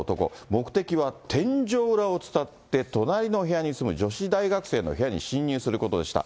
目的は天井裏を伝って隣の部屋に住む女子大学生の部屋に侵入することでした。